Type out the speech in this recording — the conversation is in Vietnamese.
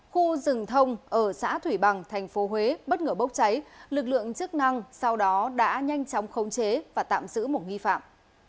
khu rừng thông ở xã thủy bằng tp huế bất ngờ bốc cháy lực lượng chức năng sau đó đã nhanh chóng khống chế và tạm giữ một nghi phạm